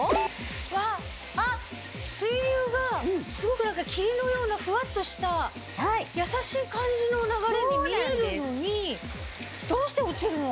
わっあっ水流がすごく霧のようなふわっとした優しい感じの流れに見えるのにどうして落ちるの？